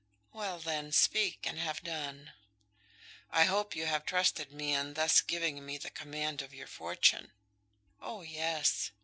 "Well, then, speak and have done." "I hope you have trusted me in thus giving me the command of your fortune?" "Oh, yes."